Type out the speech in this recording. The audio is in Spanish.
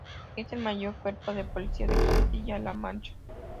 Es el mayor cuerpo de policía de Castilla-La Mancha.